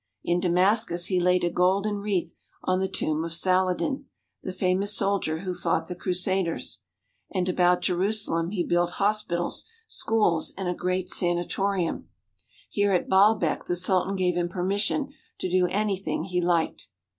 In Damascus he laid a golden wreath on the tomb of Saladin, the famous soldier who fought the Crusaders; and about Jerusalem he built hospitals, schools, and a great sanatorium. Here at Baalbek the Sultan gave him permission to do anything he liked.